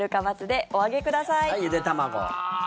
はい、ゆで卵。